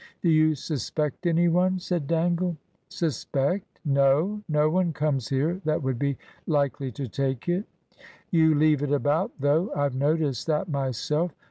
"Do you suspect any one?" said Dangle. "Suspect? No. No one comes here that would be likely to take it." "You leave it about, though. I've noticed that myself.